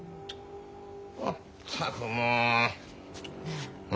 まったくもう。ねえ。